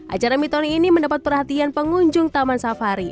acara mitoni ini mendapat perhatian pengunjung taman safari